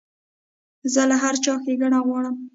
زه له هر چا ښېګڼه غواړم.